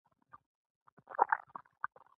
د ملک کور ته لاړه شه، په تناره راته سوکړکان پاخه کړه.